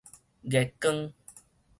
月光